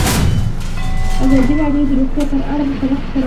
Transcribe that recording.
ازادي راډیو د روغتیا پر اړه مستند خپرونه چمتو کړې.